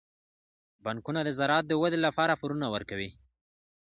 بانکونه د زراعت د ودې لپاره پورونه ورکوي.